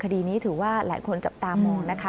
คดีนี้ถือว่าหลายคนจับตามองนะคะ